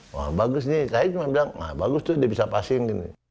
wah bagus nih saya cuma bilang nah bagus tuh dia bisa pasing